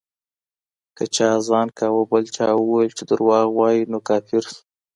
که چا اذان کاوه، بل چا وويل چي درواغ وايي، نو کافر سو